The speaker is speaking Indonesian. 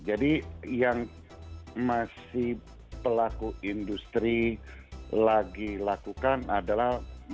jadi yang masih pelaku industri lagi lakukan adalah